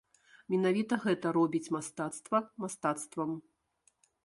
Менавіта гэта робіць мастацтва мастацтвам.